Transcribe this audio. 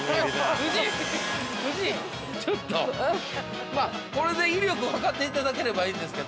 ◆夫人、夫人、ちょっとまあ、これで威力をはかっていただければいいんですけど。